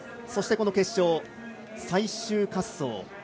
そして決勝最終滑走。